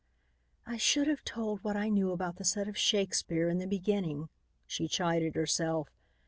"I should have told what I knew about the set of Shakespeare in the beginning," she chided herself.